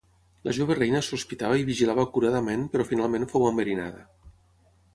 La jove reina sospitava i vigilava acuradament però finalment fou enverinada.